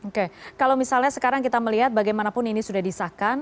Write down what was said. oke kalau misalnya sekarang kita melihat bagaimanapun ini sudah disahkan